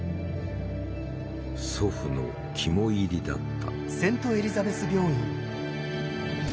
祖父の肝煎りだった。